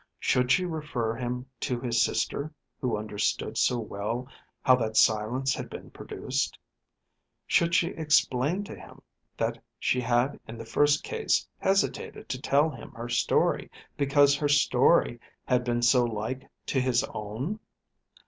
Should she refer him to his sister, who understood so well how that silence had been produced? Should she explain to him that she had in the first case hesitated to tell him her story because her story had been so like to his own?